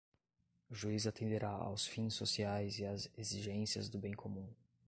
o juiz atenderá aos fins sociais e às exigências do bem comum